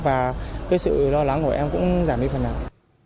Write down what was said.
và cái sự lo lắng của em cũng giảm đi phần nào